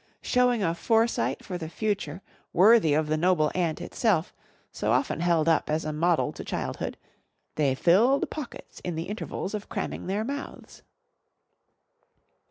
Showing a foresight for the future, worthy of the noble ant itself, so often held up as a model to childhood, they filled pockets in the intervals of cramming their mouths.